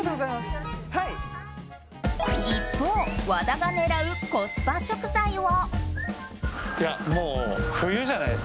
一方、和田が狙うコスパ食材は？